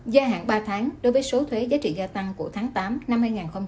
gia hạn ba tháng đối với số thuế giá trị gia tăng của tháng tám năm hai nghìn hai mươi